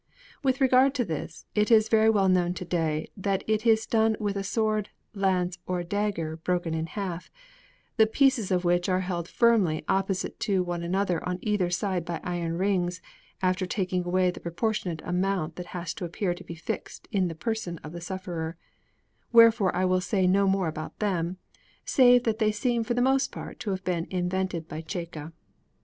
With regard to this, it is very well known to day that it is done with a sword, lance, or dagger broken in half, the pieces of which are held firmly opposite to one another on either side by iron rings, after taking away the proportionate amount that has to appear to be fixed in the person of the sufferer; wherefore I will say no more about them, save that they seem for the most part to have been invented by Cecca.